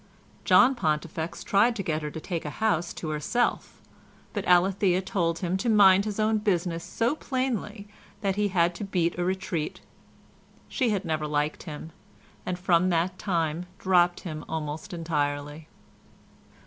John Pontifex tried to get her to take a house to herself, but Alethea told him to mind his own business so plainly that he had to beat a retreat. She had never liked him, and from that time dropped him almost entirely.